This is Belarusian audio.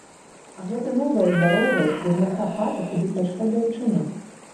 А гэтая, новая, здаровая, з кругляка хата, куды пайшла дзяўчына!